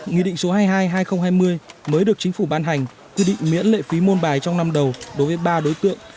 nghị định số hai mươi hai hai nghìn hai mươi mới được chính phủ ban hành quy định miễn lệ phí môn bài trong năm đầu đối với ba đối tượng